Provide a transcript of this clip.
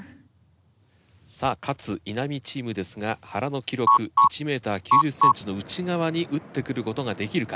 さあ勝・稲見チームですが原の記録１メートル９０センチの内側に打ってくることができるか？